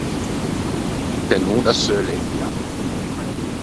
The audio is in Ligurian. O tenô da seu lettia.